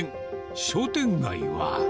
商店街は。